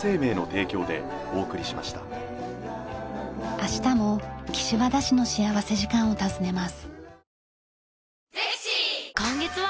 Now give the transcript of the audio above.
明日も岸和田市の幸福時間を訪ねます。